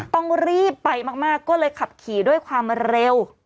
ต้องรีบไปมากก็เลยขับขี่ด้วยความเร็ว